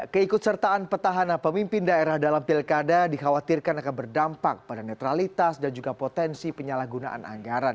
keikut sertaan petahana pemimpin daerah dalam pilkada dikhawatirkan akan berdampak pada netralitas dan juga potensi penyalahgunaan anggaran